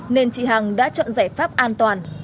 nên chị hằng đã chọn giải pháp an toàn